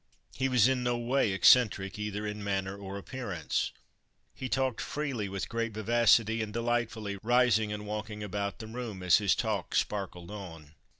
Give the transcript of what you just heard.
He was in no way eccentric, either in manner or appearance. He talked freely, with great vivacity, and delightfully, rising and walking about the room as his talk sparkled on.